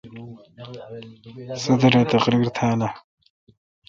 صدر اے°تقریر تھال اہ؟